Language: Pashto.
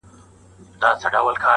د غمي له زوره مست ګرځي نشه دی,